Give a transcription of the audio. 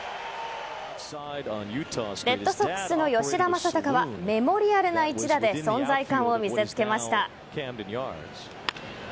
レッドソックスの吉田正尚はメモリアルな一打で存在感を見せつけました。